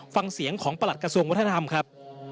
ฟังเสียงของประหลัดกระทรวงวัฒนธรรมครับ